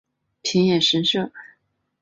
平野神社。